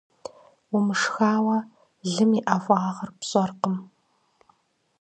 Умышхауэ, лым и ӀэфӀагъыр пщӀэркъым.